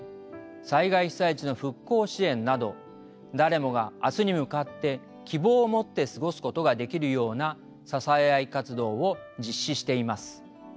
災害被災地の復興支援など誰もが明日に向かって希望を持って過ごすことができるような支え合い活動を実施しています。